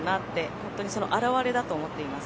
本当にその表れだと思っています。